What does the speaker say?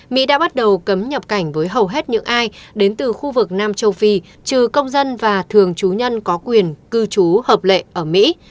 mỹ đã bắt đầu cấm nhập cảnh với hầu hết những ai đến từ khu vực nam châu phi trừ công dân và thường trú nhân có quyền cư trú hợp lệ ở mỹ